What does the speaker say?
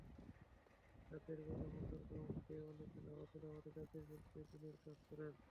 রাতের বেলা মশার কামড় খেয়ে অনেকে লাফাতে লাফাতে যাত্রীদের চেক-ইনের কাজ করেন।